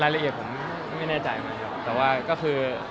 รายละเอียดผมไม่แน่ใจ